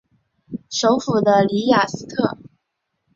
首府的里雅斯特。